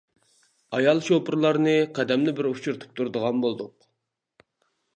ئايال شوپۇرلارنى قەدەمدە بىر ئۇچرىتىپ تۇرىدىغان بولدۇق.